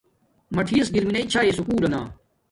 ماٹھیس گیر میناݵ چھاݵݵ سکُول لنا